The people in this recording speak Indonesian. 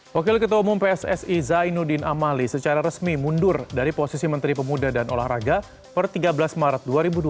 wakil ketua umum pssi zainuddin amali secara resmi mundur dari posisi menteri pemuda dan olahraga per tiga belas maret dua ribu dua puluh